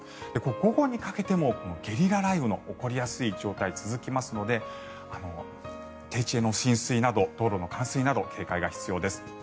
午後にかけてもゲリラ雷雨の起こりやすい状態が続きますので低地への浸水など道路の冠水など警戒が必要です。